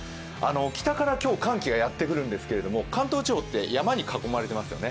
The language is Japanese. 北から今日、寒気がやってくるんですけど関東地方って山に囲まれてますよね。